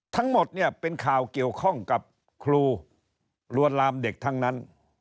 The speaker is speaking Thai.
ทั้งหมดเนี่ยเป็นข่าวเกี่ยวข้องกับครูลวนลามเด็กทั้งนั้น